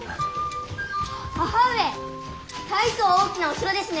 母上大層大きなお城ですね！